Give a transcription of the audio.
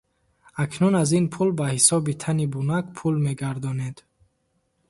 Акнун аз ин пул ба ҳисоби тани бунак пул мегардонед?